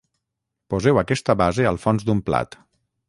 poseu aquesta base al fons d'un plat